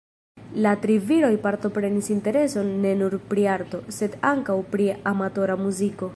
La tri viroj partoprenis intereson ne nur pri arto, sed ankaŭ pri amatora muziko.